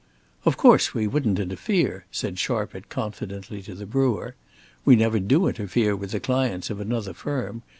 "Of course we wouldn't interfere," said Sharpit confidently to the brewer. "We never do interfere with the clients of another firm.